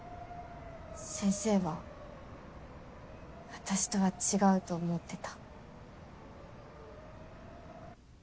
先生は私とは違うと思ってた。